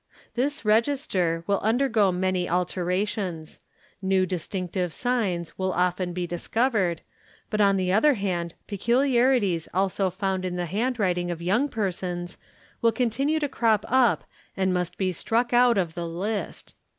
This register will undergo many alteratior new distinctive signs will often be discovered, but on the other hai peculiarities also found in the handwriting of young persons will con nue to crop up and must be struck out of the list.